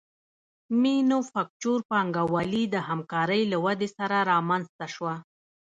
مینوفکچور پانګوالي د همکارۍ له ودې سره رامنځته شوه